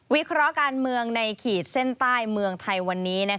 เคราะห์การเมืองในขีดเส้นใต้เมืองไทยวันนี้